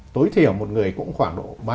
tối thiểu một người cũng khoảng độ